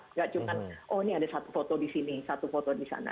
nggak cuman oh ini ada satu foto di sini satu foto di sana